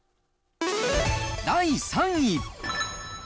第３位。